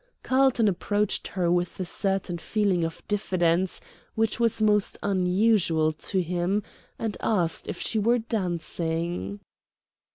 Carlton approached her with a certain feeling of diffidence, which was most unusual to him, and asked if she were dancing.